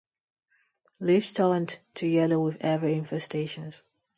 Leaves turned to yellow with heavy infestations.